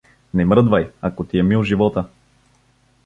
Не мръдвай, ако ти е мил живота!